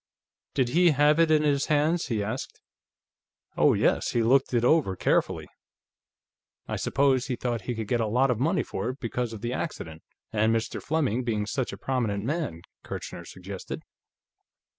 "Did he have it in his hands?" he asked. "Oh, yes; he looked it over carefully. I suppose he thought he could get a lot of money for it, because of the accident, and Mr. Fleming being such a prominent man," Kirchner suggested.